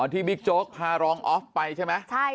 อ๋อที่บิ๊กโจ๊กพาร้องออฟไปใช่ไหม